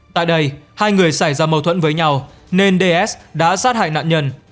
tại đây hai người xảy ra mâu thuẫn với nhau nên ds đã sát hại nạn nhân